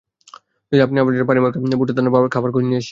যাই, আপনার জন্য পনিরমাখা ভুট্টাদানার খাবার খুঁজে নিয়ে আসি।